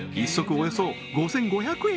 およそ５５００円